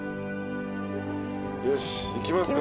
よし行きますか。